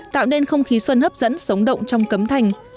tạo nên không khí xuân hấp dẫn sống động trong cấm thành